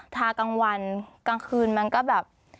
กลางวันกลางคืนมันก็แบบ